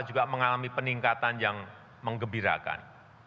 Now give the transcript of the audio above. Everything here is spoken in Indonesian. juga mengalami peningkatan yang mengembirakan